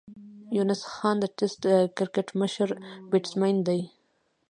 یونس خان د ټېسټ کرکټ مشر بېټسمېن دئ.